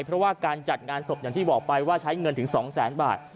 เพราะว่าการจัดงานศพอย่างที่บอกไปว่าใช้เงินถึง๒แสนบาท